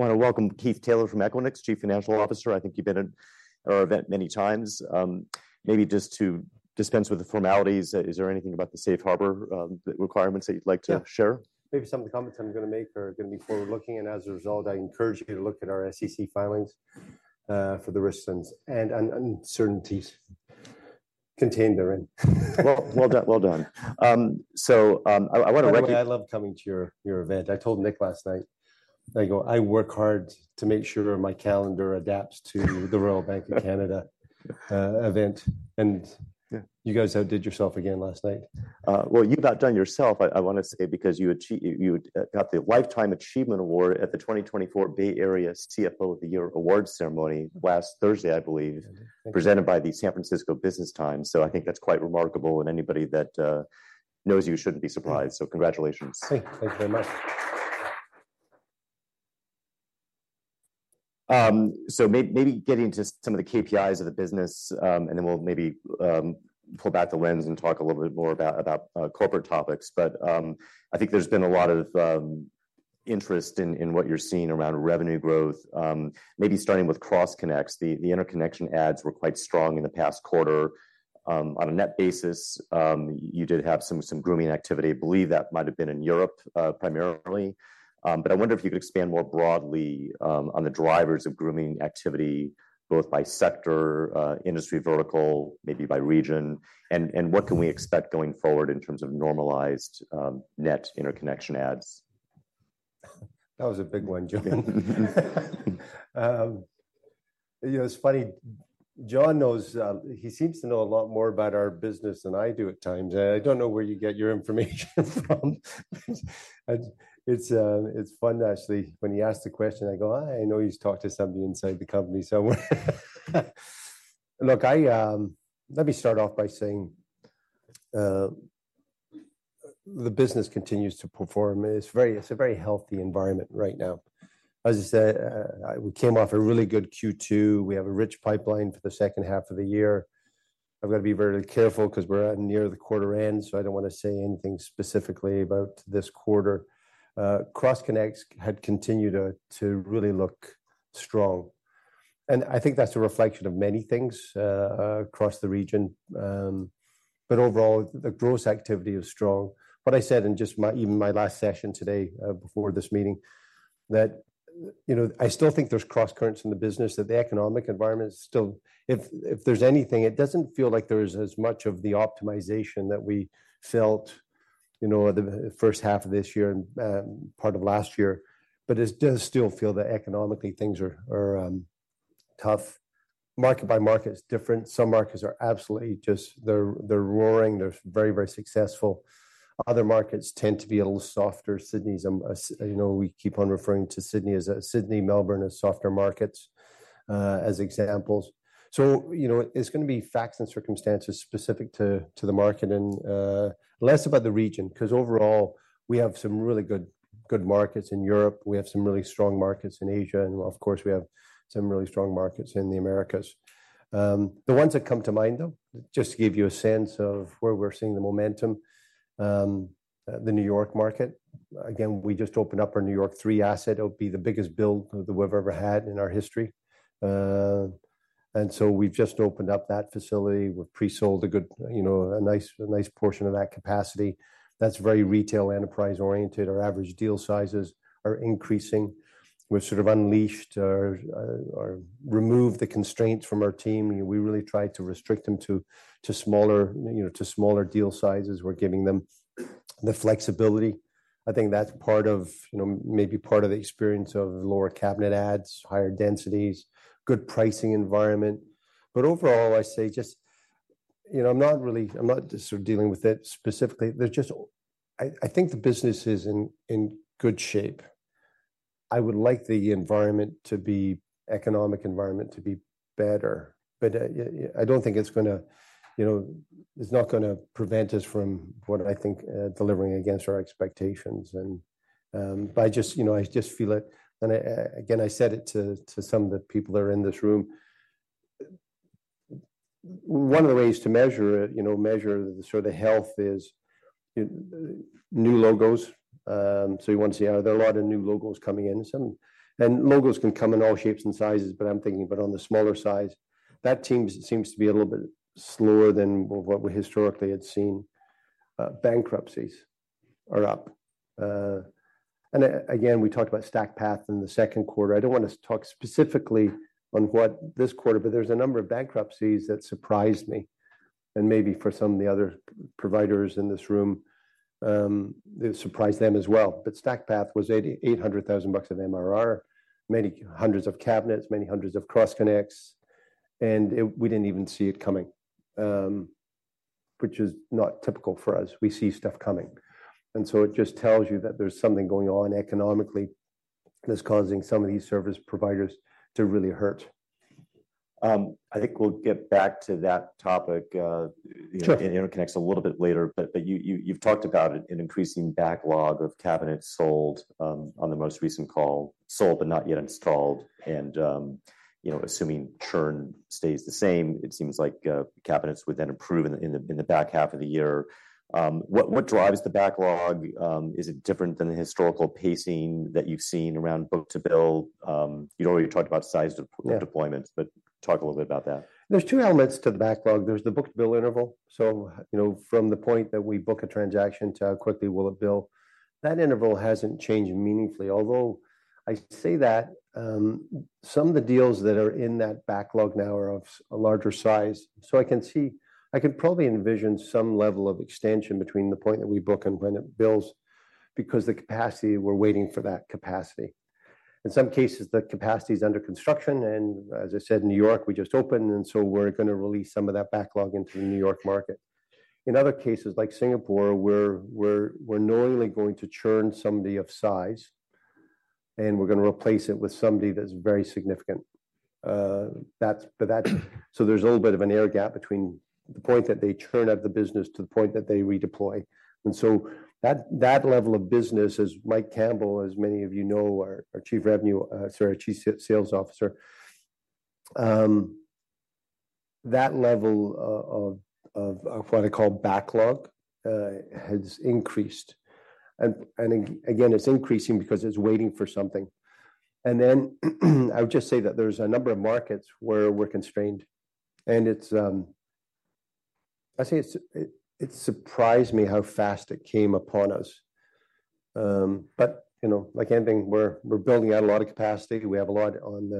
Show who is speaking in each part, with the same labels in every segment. Speaker 1: I want to welcome Keith Taylor from Equinix, Chief Financial Officer. I think you've been at our event many times. Maybe just to dispense with the formalities, is there anything about the safe harbor requirements that you'd like to share?
Speaker 2: Yeah. Maybe some of the comments I'm going to make are going to be forward-looking, and as a result, I encourage you to look at our SEC filings for the risks and uncertainties contained therein.
Speaker 1: Well done. Well done. So, I want to recognize-
Speaker 2: By the way, I love coming to your event. I told Nick last night, I go, "I work hard to make sure my calendar adapts to the Royal Bank of Canada event.
Speaker 1: Yeah.
Speaker 2: You guys outdid yourself again last night.
Speaker 1: Well, you've outdone yourself, I want to say, because you achieved, you got the Lifetime Achievement Award at the 2024 Bay Area CFO of the Year awards ceremony last Thursday, I believe.
Speaker 2: Thank you.
Speaker 1: Presented by the San Francisco Business Times. So I think that's quite remarkable, and anybody that knows you shouldn't be surprised. So congratulations.
Speaker 2: Thank you. Thank you very much.
Speaker 1: Maybe get into some of the KPIs of the business, and then we'll maybe pull back the lens and talk a little bit more about corporate topics. But I think there's been a lot of interest in what you're seeing around revenue growth. Maybe starting with cross connects. The interconnection adds were quite strong in the past quarter. On a net basis, you did have some grooming activity. I believe that might have been in Europe, primarily. But I wonder if you could expand more broadly on the drivers of grooming activity, both by sector, industry vertical, maybe by region, and what can we expect going forward in terms of normalized net interconnection adds?
Speaker 2: That was a big one, Julian. You know, it's funny. Jon knows. He seems to know a lot more about our business than I do at times, and I don't know where you get your information from. It's, it's fun, actually. When he asked the question, I go, "Ah, I know he's talked to somebody inside the company," so. Look, let me start off by saying, the business continues to perform. It's a very healthy environment right now. As I said, we came off a really good Q2. We have a rich pipeline for the second half of the year. I've got to be very careful because we're at near the quarter end, so I don't want to say anything specifically about this quarter. Cross connects had continued to really look strong, and I think that's a reflection of many things across the region, but overall, the growth activity is strong. What I said in just my, even my last session today before this meeting, that, you know, I still think there's crosscurrents in the business, that the economic environment is still. If there's anything, it doesn't feel like there's as much of the optimization that we felt, you know, the first half of this year and part of last year, but it does still feel that economically, things are tough. Market by market, it's different. Some markets are absolutely just, they're roaring, they're very, very successful. Other markets tend to be a little softer. Sydney's, you know, we keep on referring to Sydney, Melbourne as softer markets, as examples. So, you know, it's going to be facts and circumstances specific to, to the market and, less about the region, because overall, we have some really good markets in Europe, we have some really strong markets in Asia, and of course, we have some really strong markets in the Americas. The ones that come to mind, though, just to give you a sense of where we're seeing the momentum, the New York market. Again, we just opened up our New York 3 asset. It'll be the biggest build that we've ever had in our history. And so we've just opened up that facility. We've pre-sold a good, you know, a nice portion of that capacity. That's very retail, enterprise-oriented. Our average deal sizes are increasing. We've sort of unleashed or removed the constraints from our team. We really tried to restrict them to smaller, you know, deal sizes. We're giving them the flexibility. I think that's part of, you know, maybe part of the experience of lower cabinet adds, higher densities, good pricing environment. But overall, I say just, you know, I'm not really sort of dealing with it specifically. There's just I think the business is in good shape. I would like the environment to be, economic environment to be better, but, yeah, I don't think it's gonna, you know, it's not gonna prevent us from what I think delivering against our expectations. And, but I just, you know, I just feel it. Again, I said it to some of the people that are in this room, one of the ways to measure it, you know, measure the sort of health is, new logos. So you want to see, are there a lot of new logos coming in? And logos can come in all shapes and sizes, but I'm thinking about on the smaller size. That seems to be a little bit slower than what we historically had seen. Bankruptcies are up. And again, we talked about StackPath in the second quarter. I don't want to talk specifically on what this quarter, but there's a number of bankruptcies that surprised me, and maybe for some of the other providers in this room, it surprised them as well. But StackPath was $8.8 million of MRR, many hundreds of cabinets, many hundreds of cross connects, and it, we didn't even see it coming, which is not typical for us. We see stuff coming. And so it just tells you that there's something going on economically that's causing some of these service providers to really hurt.
Speaker 1: I think we'll get back to that topic.
Speaker 2: Sure.
Speaker 1: In interconnects a little bit later. But you, you've talked about it, an increasing backlog of cabinets sold, on the most recent call, sold but not yet installed. And, you know, assuming churn stays the same, it seems like, cabinets would then improve in the back half of the year. What drives the backlog? Is it different than the historical pacing that you've seen around book-to-bill? You already talked about size of deployments.
Speaker 2: Yeah.
Speaker 1: But talk a little bit about that.
Speaker 2: There's two elements to the backlog. There's the book-to-bill interval. So, you know, from the point that we book a transaction to how quickly will it bill, that interval hasn't changed meaningfully. Although I say that, some of the deals that are in that backlog now are of a larger size. So I can probably envision some level of extension between the point that we book and when it bills, because the capacity, we're waiting for that capacity. In some cases, the capacity is under construction, and as I said, in New York, we just opened, and so we're going to release some of that backlog into the New York market. In other cases, like Singapore, we're normally going to churn somebody of size, and we're going to replace it with somebody that's very significant. But that. There's a little bit of an air gap between the point that they churn out the business to the point that they redeploy. So that level of business, as Mike Campbell, as many of you know, our Chief Sales Officer, that level of what I call backlog has increased. And again, it's increasing because it's waiting for something. Then I would just say that there's a number of markets where we're constrained, and it's, I'd say it surprised me how fast it came upon us. But you know, like anything, we're building out a lot of capacity. We have a lot on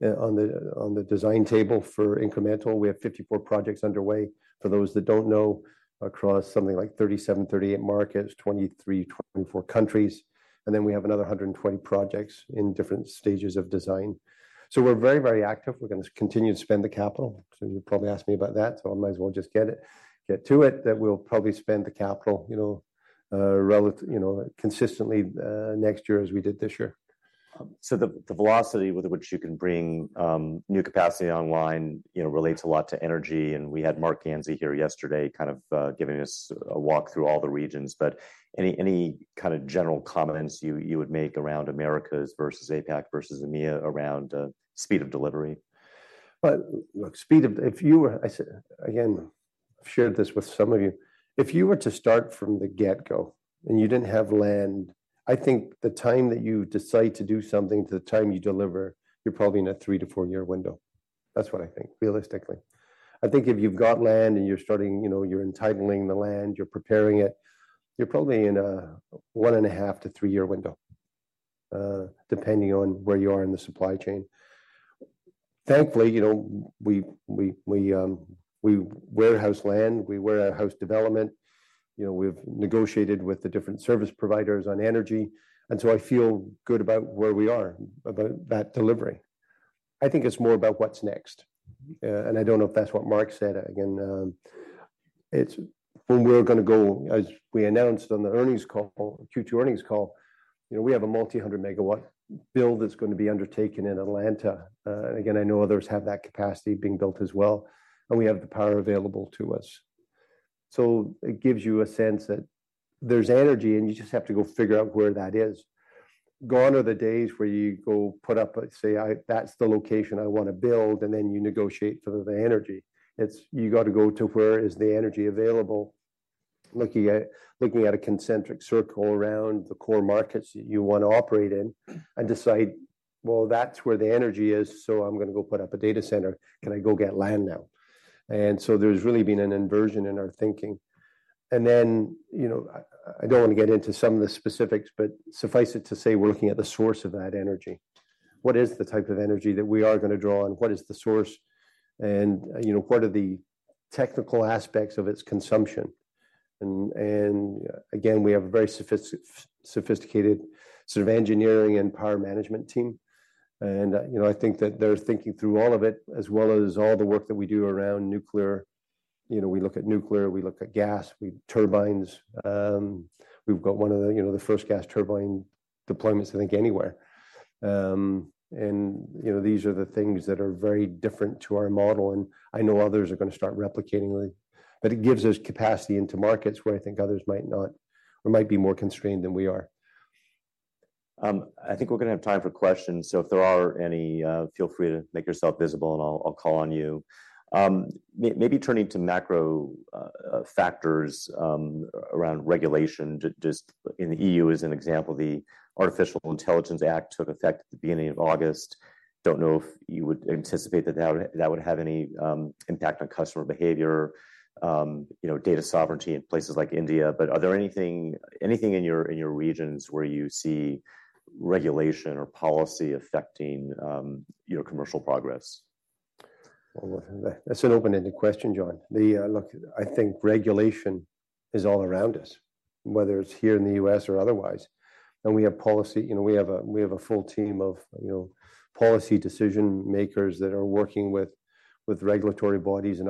Speaker 2: the design table for incremental. We have 54 projects underway, for those that don't know, across something like 37, 38 markets, 23, 24 countries, and then we have another 120 projects in different stages of design. So we're very, very active. We're going to continue to spend the capital. So you'll probably ask me about that, so I might as well just get it, get to it, that we'll probably spend the capital, you know, relative, you know, consistently, next year as we did this year.
Speaker 1: So the velocity with which you can bring new capacity online, you know, relates a lot to energy, and we had Marc Ganzi here yesterday, kind of giving us a walk through all the regions. But any kind of general comments you would make around Americas versus APAC versus EMEA around speed of delivery?
Speaker 2: Well, look. If you were, I said, again, shared this with some of you. If you were to start from the get-go and you didn't have land, I think the time that you decide to do something to the time you deliver, you're probably in a three-to-four-year window. That's what I think, realistically. I think if you've got land and you're starting, you know, you're entitling the land, you're preparing it, you're probably in a one-and-a-half-to-three-year window, depending on where you are in the supply chain. Thankfully, you know, we warehouse land, we warehouse development. You know, we've negotiated with the different service providers on energy, and so I feel good about where we are, about that delivery. I think it's more about what's next, and I don't know if that's what Mark said. Again, it's where we're going to go, as we announced on the earnings call, Q2 earnings call. You know, we have a multi-hundred megawatt build that's going to be undertaken in Atlanta. Again, I know others have that capacity being built as well, and we have the power available to us. So it gives you a sense that there's energy, and you just have to go figure out where that is. Gone are the days where you go put up. That's the location I want to build, and then you negotiate for the energy. It's you got to go to where is the energy available, looking at a concentric circle around the core markets that you want to operate in and decide, well, that's where the energy is, so I'm going to go put up a data center. Can I go get land now? So there's really been an inversion in our thinking. Then, you know, I don't want to get into some of the specifics, but suffice it to say, we're looking at the source of that energy. What is the type of energy that we are going to draw on? What is the source? And, you know, what are the technical aspects of its consumption? And again, we have a very sophisticated sort of engineering and power management team. And, you know, I think that they're thinking through all of it, as well as all the work that we do around nuclear. You know, we look at nuclear, we look at gas turbines. We've got one of the, you know, the first gas turbine deployments, I think, anywhere. And, you know, these are the things that are very different to our model, and I know others are going to start replicating it, but it gives us capacity into markets where I think others might not or might be more constrained than we are.
Speaker 1: I think we're going to have time for questions, so if there are any, feel free to make yourself visible, and I'll call on you. Maybe turning to macro factors around regulation, just in the EU, as an example, the Artificial Intelligence Act took effect at the beginning of August. Don't know if you would anticipate that that would have any impact on customer behavior, you know, data sovereignty in places like India, but are there anything in your regions where you see regulation or policy affecting your commercial progress?
Speaker 2: Well, that's an open-ended question, Jon. The look, I think regulation is all around us, whether it's here in the U.S. or otherwise, and we have policy. You know, we have a full team of, you know, policy decision makers that are working with regulatory bodies and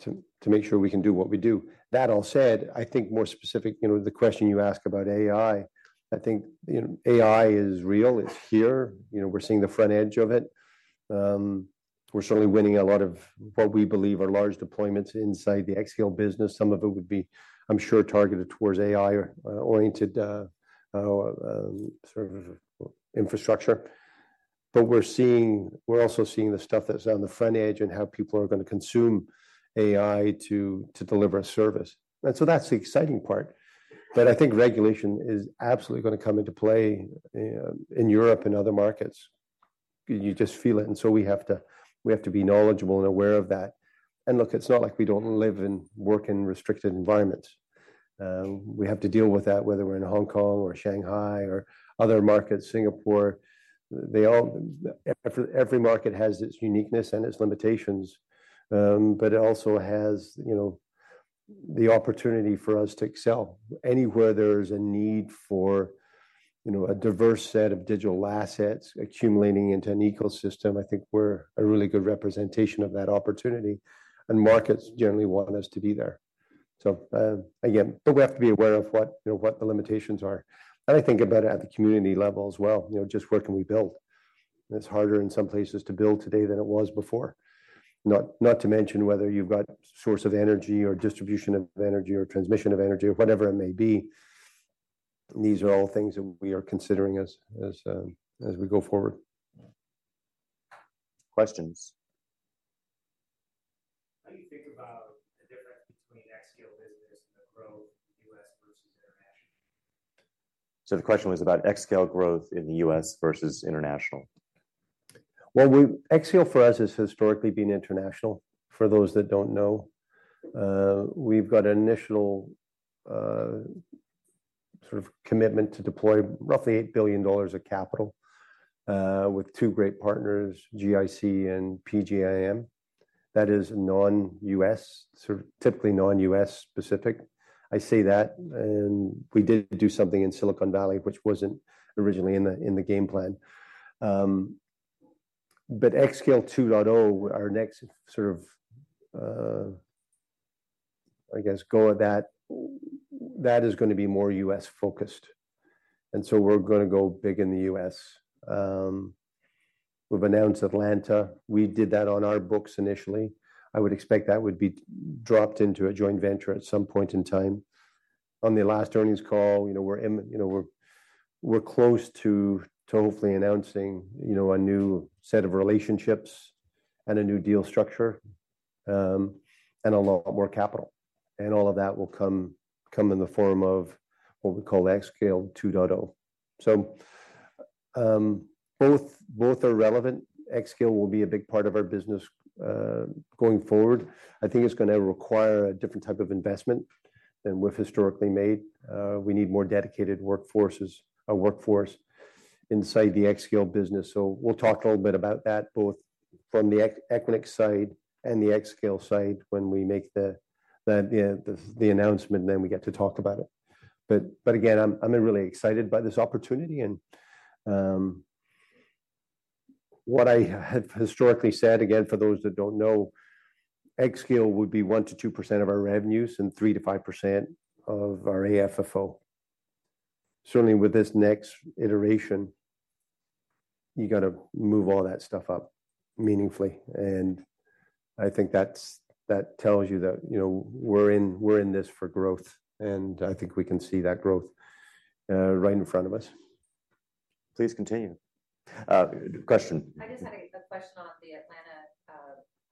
Speaker 2: otherwise to make sure we can do what we do. That all said, I think more specific, you know, the question you ask about AI, I think, you know, AI is real. It's here. You know, we're seeing the front edge of it. We're certainly winning a lot of what we believe are large deployments inside the xScale business. Some of it would be, I'm sure, targeted towards AI-oriented sort of infrastructure. But we're also seeing the stuff that's on the front edge and how people are going to consume AI to deliver a service. And so that's the exciting part. But I think regulation is absolutely going to come into play in Europe and other markets. You just feel it, and so we have to be knowledgeable and aware of that. And look, it's not like we don't live and work in restricted environments. We have to deal with that, whether we're in Hong Kong or Shanghai or other markets, Singapore. They all, every market has its uniqueness and its limitations, but it also has, you know, the opportunity for us to excel. Anywhere there's a need for, you know, a diverse set of digital assets accumulating into an ecosystem, I think we're a really good representation of that opportunity, and markets generally want us to be there. So, again, but we have to be aware of what, you know, what the limitations are. And I think about it at the community level as well, you know, just where can we build? And it's harder in some places to build today than it was before. Not to mention whether you've got source of energy or distribution of energy, or transmission of energy, or whatever it may be. These are all things that we are considering as we go forward.
Speaker 1: Questions? How do you think about the difference between xScale business and the growth of U.S. versus international? So the question was about xScale growth in the U.S. versus international.
Speaker 2: Well, xScale for us has historically been international, for those that don't know. We've got an initial, sort of commitment to deploy roughly $8 billion of capital, with two great partners, GIC and PGIM. That is non-U.S., sort of typically non-U.S. specific. I say that, and we did do something in Silicon Valley, which wasn't originally in the game plan. But xScale 2.0, our next sort of, I guess, go at that, that is going to be more U.S.-focused, and so we're going to go big in the U.S. We've announced Atlanta. We did that on our books initially. I would expect that would be dropped into a joint venture at some point in time. On the last earnings call, you know, we're close to hopefully announcing, you know, a new set of relationships and a new deal structure, and a lot more capital, and all of that will come in the form of what we call xScale 2.0. Both are relevant. xScale will be a big part of our business going forward. I think it's going to require a different type of investment than we've historically made. We need more dedicated workforces, a workforce inside the xScale business. We'll talk a little bit about that, both from the Equinix side and the xScale side when we make the announcement, and then we get to talk about it. Again, I'm really excited by this opportunity. What I have historically said, again, for those that don't know, xScale would be 1%-2% of our revenues and 3%-5% of our AFFO. Certainly, with this next iteration, you got to move all that stuff up meaningfully, and I think that tells you that, you know, we're in this for growth, and I think we can see that growth right in front of us.
Speaker 1: Please continue. Question. I just had a question on the Atlanta,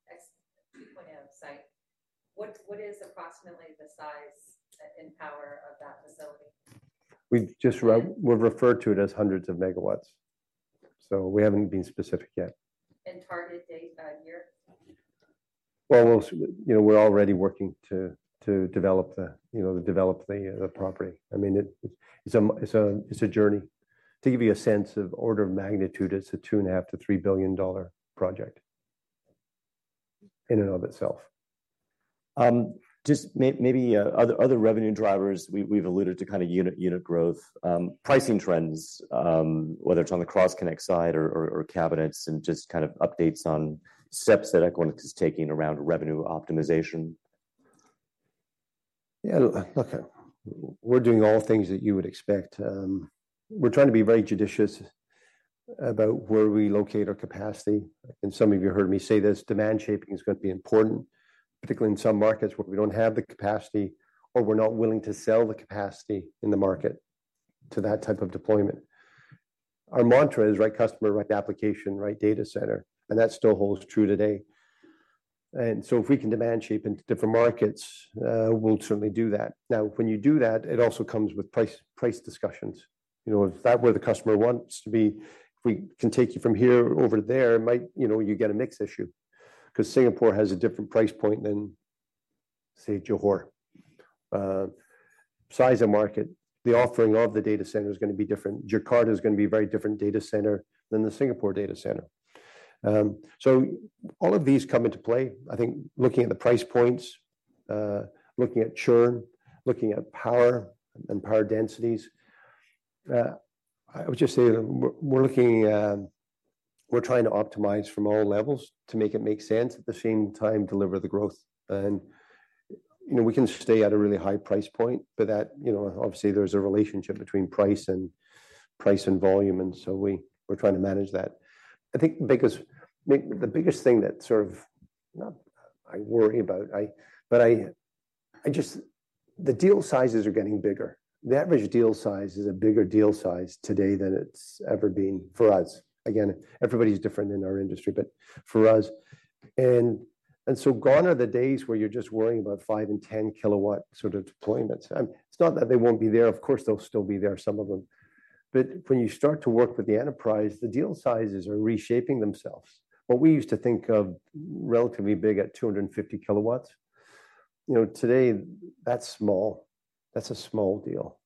Speaker 1: xScale 2.0 site. What is approximately the size and power of that facility?
Speaker 2: We've referred to it as hundreds of megawatts, so we haven't been specific yet. Target date, year? We'll. You know, we're already working to develop the property. I mean, it's a journey. To give you a sense of order of magnitude, it's a $2.5 billion-$3 billion project in and of itself.
Speaker 1: Just maybe other revenue drivers, we've alluded to kind of unit growth, pricing trends, whether it's on the cross-connect side or cabinets, and just kind of updates on steps that Equinix is taking around revenue optimization.
Speaker 2: Yeah, look, we're doing all things that you would expect. We're trying to be very judicious about where we locate our capacity, and some of you heard me say this: demand shaping is going to be important, particularly in some markets where we don't have the capacity, or we're not willing to sell the capacity in the market to that type of deployment. Our mantra is, right customer, right application, right data center, and that still holds true today. And so if we can demand shape into different markets, we'll certainly do that. Now, when you do that, it also comes with price, price discussions. You know, if that's where the customer wants to be, if we can take you from here over there, it might. You know, you get a mix issue. 'Cause Singapore has a different price point than, say, Johor. Size of market, the offering of the data center is going to be different. Jakarta is going to be a very different data center than the Singapore data center. So all of these come into play. I think looking at the price points, looking at churn, looking at power and power densities, I would just say we're looking. We're trying to optimize from all levels to make it make sense, at the same time, deliver the growth. And, you know, we can stay at a really high price point, but that, you know, obviously there's a relationship between price and, price and volume, and so we're trying to manage that. I think the biggest thing that sort of, not I worry about, but I just. The deal sizes are getting bigger. The average deal size is a bigger deal size today than it's ever been for us. Again, everybody's different in our industry, but for us. And so gone are the days where you're just worrying about 5 kW and 10 kW sort of deployments. It's not that they won't be there. Of course, they'll still be there, some of them. But when you start to work with the enterprise, the deal sizes are reshaping themselves. What we used to think of relatively big at 250 kW, you know, today, that's small. That's a small deal.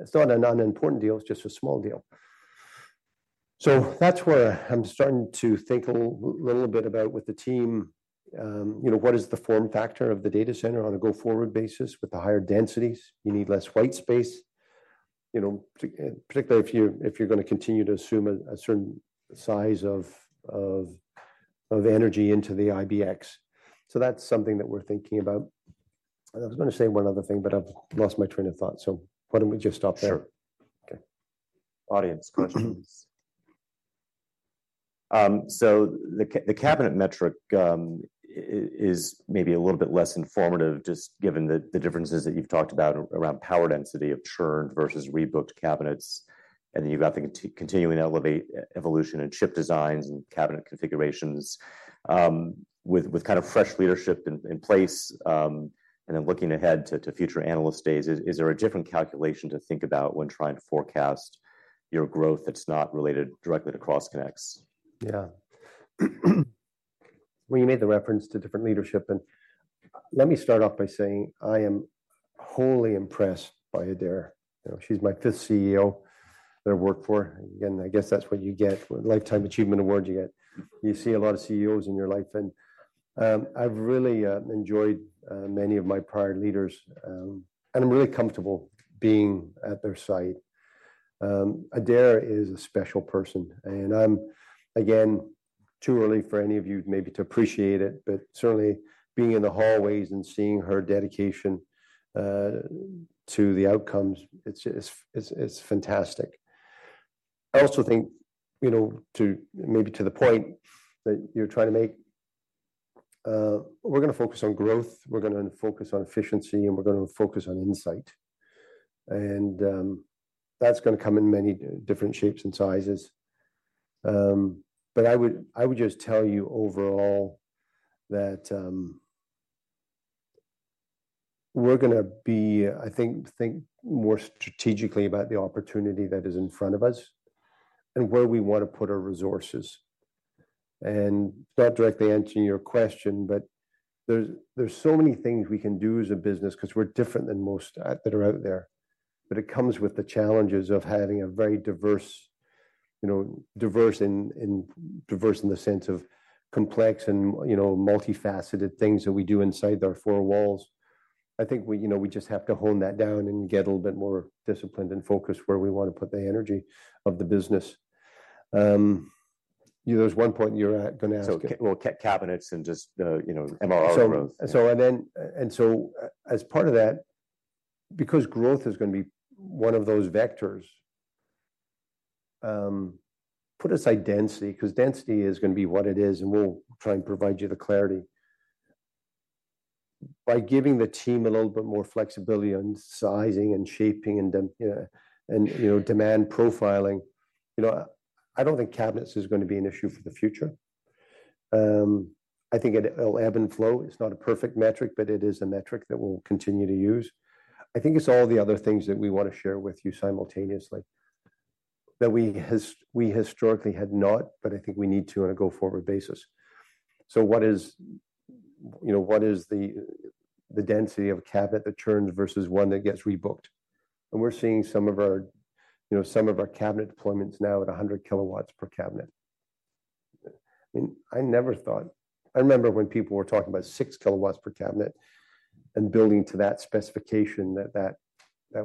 Speaker 2: It's not an unimportant deal, it's just a small deal. So that's where I'm starting to think a little bit about with the team, you know, what is the form factor of the data center on a go-forward basis? With the higher densities, you need less white space, you know, particularly if you're going to continue to assume a certain size of energy into the IBX, so that's something that we're thinking about, and I was going to say one other thing, but I've lost my train of thought, so why don't we just stop there?
Speaker 1: Sure.
Speaker 2: Okay.
Speaker 1: Audience questions. So the cabinet metric is maybe a little bit less informative, just given the differences that you've talked about around power density of churned versus rebooked cabinets, and then you've got the continuing evolution in chip designs and cabinet configurations. With kind of fresh leadership in place, and then looking ahead to future analyst days, is there a different calculation to think about when trying to forecast your growth that's not related directly to cross connects?
Speaker 2: Yeah. Well, you made the reference to different leadership, and let me start off by saying I am wholly impressed by Adaire. You know, she's my fifth CEO that I've worked for, and I guess that's what you get. Lifetime achievement award you get. You see a lot of CEOs in your life, and I've really enjoyed many of my prior leaders, and I'm really comfortable being at their side. Adaire is a special person, and I'm, again, too early for any of you maybe to appreciate it, but certainly being in the hallways and seeing her dedication to the outcomes, it's fantastic. I also think, you know, to maybe to the point that you're trying to make, we're going to focus on growth, we're going to focus on efficiency, and we're going to focus on insight. That's going to come in many different shapes and sizes. But I would just tell you overall that we're going to be, I think, more strategically about the opportunity that is in front of us and where we want to put our resources. And it's not directly answering your question, but there's so many things we can do as a business because we're different than most that are out there, but it comes with the challenges of having a very diverse, you know, diverse in the sense of complex and, you know, multifaceted things that we do inside our four walls. I think we, you know, we just have to hone that down and get a little bit more disciplined and focused where we want to put the energy of the business. You know, there's one point you're going to ask-
Speaker 1: Cabinets and just, you know, MRR growth.
Speaker 2: As part of that, because growth is going to be one of those vectors, put aside density, because density is going to be what it is, and we'll try and provide you the clarity. By giving the team a little bit more flexibility on sizing and shaping and, you know, demand profiling, you know, I don't think cabinets is going to be an issue for the future. I think it'll ebb and flow. It's not a perfect metric, but it is a metric that we'll continue to use. I think it's all the other things that we want to share with you simultaneously that we historically had not, but I think we need to on a go-forward basis. What is, you know, what is the density of a cabinet that churns versus one that gets rebooked? We're seeing some of our, you know, some of our cabinet deployments now at 100 kW per cabinet. I mean, I never thought. I remember when people were talking about 6 kW per cabinet and building to that specification, that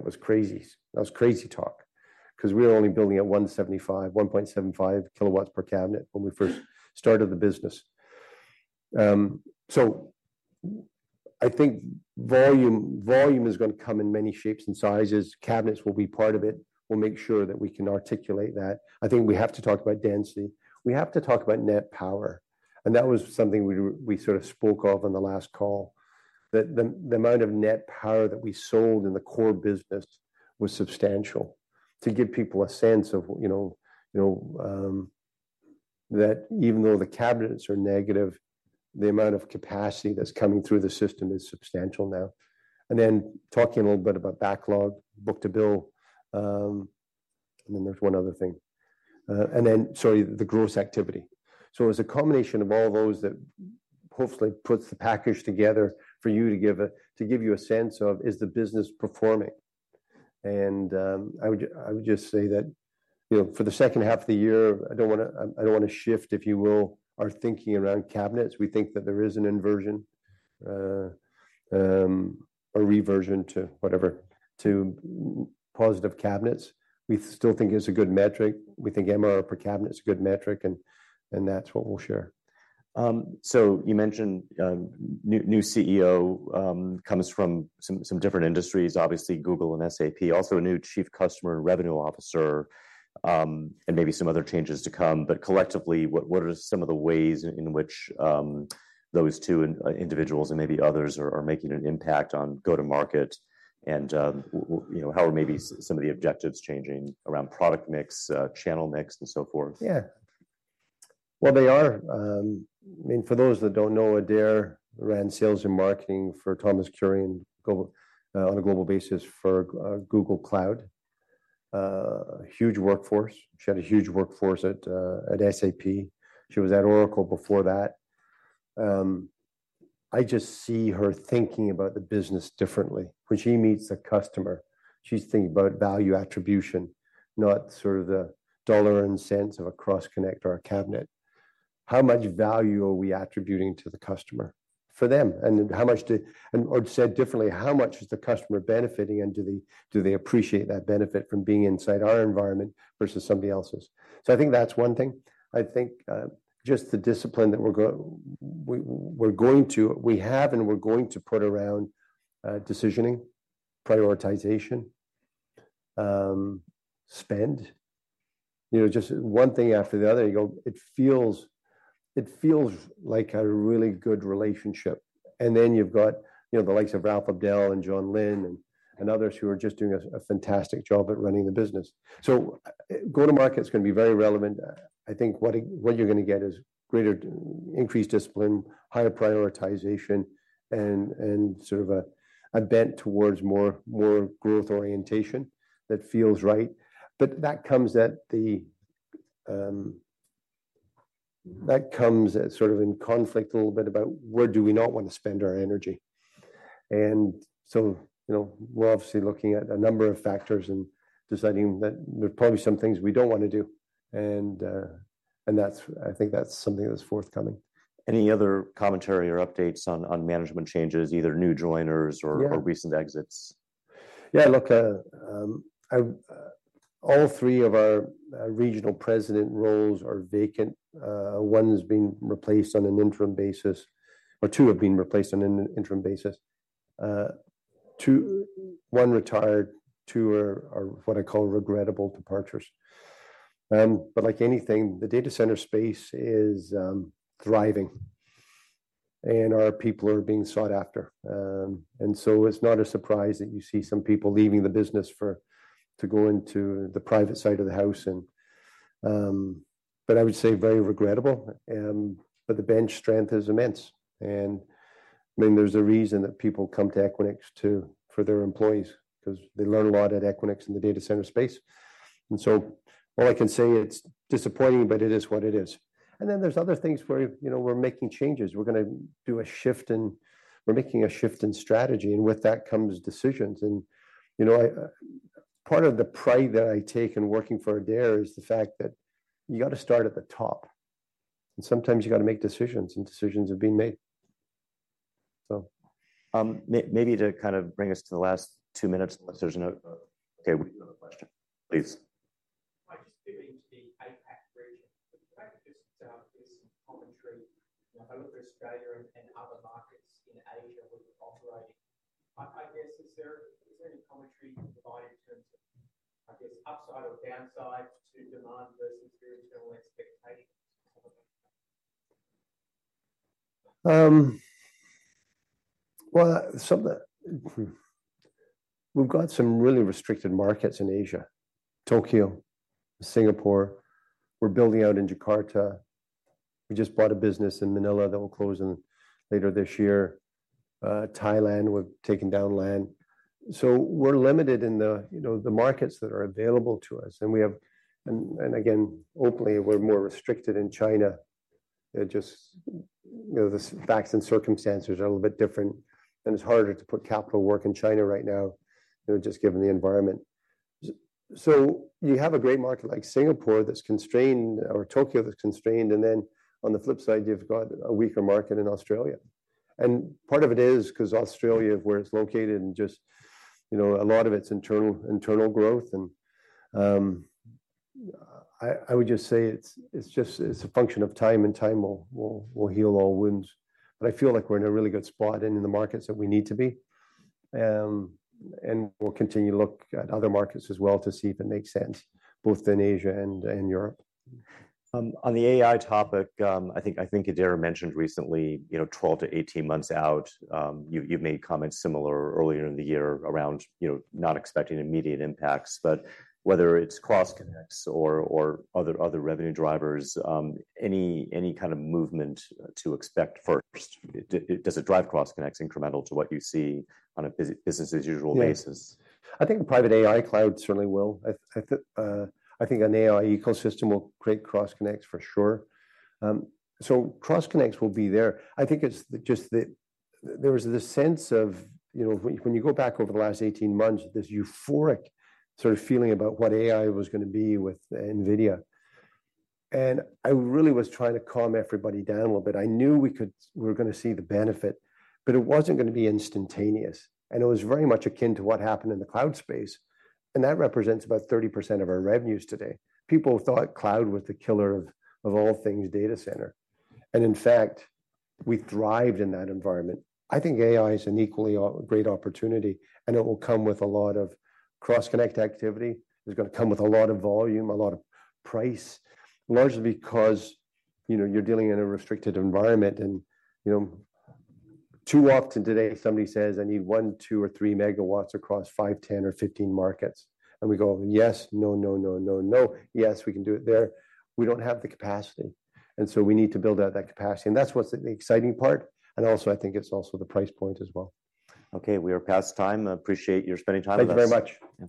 Speaker 2: was crazy. That was crazy talk, because we were only building at 1.75 kW per cabinet when we first started the business. So I think volume is going to come in many shapes and sizes. Cabinets will be part of it. We'll make sure that we can articulate that. I think we have to talk about density. We have to talk about net power, and that was something we sort of spoke of on the last call, that the amount of net power that we sold in the core business was substantial. To give people a sense of, you know, that even though the cabinets are negative, the amount of capacity that's coming through the system is substantial now. And then talking a little bit about backlog, book-to-bill, and then there's one other thing. And then, sorry, the gross activity. So it's a combination of all those that hopefully puts the package together for you to give you a sense of, is the business performing? And, I would just say that, you know, for the second half of the year, I don't want to shift, if you will, our thinking around cabinets. We think that there is a reversion to whatever, to positive cabinets. We still think it's a good metric. We think MRR per cabinet is a good metric, and that's what we'll share.
Speaker 1: So you mentioned new CEO comes from some different industries, obviously Google and SAP, also a new chief customer and revenue officer, and maybe some other changes to come. But collectively, what are some of the ways in which those two individuals, and maybe others, are making an impact on go-to-market? And you know, how are maybe some of the objectives changing around product mix, channel mix, and so forth?
Speaker 2: Yeah. Well, they are. I mean, for those that don't know, Adaire ran sales and marketing for Thomas Kurian on a global basis for Google Cloud. Huge workforce. She had a huge workforce at SAP. She was at Oracle before that. I just see her thinking about the business differently. When she meets a customer, she's thinking about value attribution, not sort of the dollar and cents of a cross-connect or a cabinet. How much value are we attributing to the customer for them, and then how much and, or said differently, how much is the customer benefiting, and do they appreciate that benefit from being inside our environment versus somebody else's? So I think that's one thing. I think just the discipline that we're going to put around decisioning, prioritization, spend, you know, just one thing after the other. You go, it feels like a really good relationship. And then you've got, you know, the likes of Raouf Abdel and Jon Lin and others who are just doing a fantastic job at running the business. So go-to-market's going to be very relevant. I think what you're going to get is greater increased discipline, higher prioritization, and sort of a bent towards more growth orientation that feels right. But that comes at sort of in conflict a little bit about where do we not want to spend our energy. And so, you know, we're obviously looking at a number of factors and deciding that there are probably some things we don't want to do. And that's. I think that's something that's forthcoming.
Speaker 1: Any other commentary or updates on management changes, either new joiners or-
Speaker 2: Yeah
Speaker 1: Or recent exits?
Speaker 2: Yeah, look, I. all three of our regional president roles are vacant. One's been replaced on an interim basis, or two have been replaced on an interim basis. One retired, two are what I call regrettable departures. But like anything, the data center space is thriving, and our people are being sought after. And so it's not a surprise that you see some people leaving the business to go into the private side of the house. But I would say very regrettable. But the bench strength is immense, and, I mean, there's a reason that people come to Equinix for their employees, 'cause they learn a lot at Equinix in the data center space. And so all I can say it's disappointing, but it is what it is. And then there's other things where, you know, we're making changes. We're gonna do a shift in - we're making a shift in strategy, and with that comes decisions. And, you know, I, part of the pride that I take in working for Adaire is the fact that you got to start at the top, and sometimes you got to make decisions, and decisions are being made, so.
Speaker 1: Maybe to kind of bring us to the last two minutes, unless there's another. Okay, we have a question. Please. I just dip into the APAC region. Can I just get some commentary, you know, for Australia and other markets in Asia where you're operating, I guess, is there any commentary you can provide in terms of, I guess, upside or downside to demand versus your internal expectations?
Speaker 2: Well, we've got some really restricted markets in Asia: Tokyo, Singapore. We're building out in Jakarta. We just bought a business in Manila that will close later this year. Thailand, we're taking down land. So we're limited in the, you know, the markets that are available to us, and again, openly, we're more restricted in China. Just, you know, the facts and circumstances are a little bit different, and it's harder to put capital to work in China right now, you know, just given the environment. So you have a great market like Singapore that's constrained, or Tokyo that's constrained, and then on the flip side, you've got a weaker market in Australia. And part of it is 'cause Australia, where it's located, and just, you know, a lot of its internal growth. I would just say it's a function of time, and time will heal all wounds, but I feel like we're in a really good spot and in the markets that we need to be. We'll continue to look at other markets as well to see if it makes sense, both in Asia and Europe.
Speaker 1: On the AI topic, I think, I think Adaire mentioned recently, you know, 12 to 18 months out, you've made comments similar earlier in the year around, you know, not expecting immediate impacts. But whether it's cross connects or other revenue drivers, any kind of movement to expect first? Does it drive cross connects incremental to what you see on a business as usual basis?
Speaker 2: Yeah. I think the private AI cloud certainly will. I think an AI ecosystem will create cross connects for sure. So cross connects will be there. I think it's just there was this sense of, you know, when you go back over the last eighteen months, this euphoric sort of feeling about what AI was going to be with NVIDIA, and I really was trying to calm everybody down a little bit. I knew we could we were going to see the benefit, but it wasn't going to be instantaneous, and it was very much akin to what happened in the cloud space, and that represents about 30% of our revenues today. People thought cloud was the killer of all things data center, and in fact, we thrived in that environment. I think AI is an equally great opportunity, and it will come with a lot of cross-connect activity. It's going to come with a lot of volume, a lot of price, largely because, you know, you're dealing in a restricted environment. You know, too often today, somebody says, "I need 1 MW, 2 MW, or 3 MW across five, 10, or 15 markets." And we go, "Yes, no, no, no, no, no. Yes, we can do it there." We don't have the capacity, and so we need to build out that capacity, and that's what's the exciting part, and also, I think it's also the price point as well.
Speaker 1: Okay, we are past time. I appreciate your spending time with us.
Speaker 2: Thank you very much.